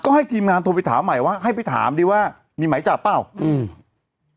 ก็ให้ทีมงานโทรไปถามใหม่ว่าให้ไปถามดีว่ามีหมายจับเปล่าอืม